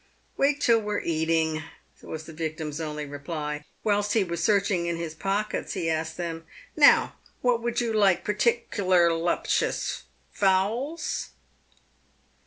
" Wait till we're eating," was the victim's only reply. Whilst he was searching in his pockets, he asked them, " Now, what would you like pertic'lar luptious — fowls